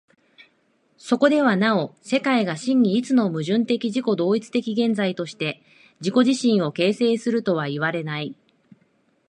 そこではなお世界が真に一つの矛盾的自己同一的現在として自己自身を形成するとはいわれない。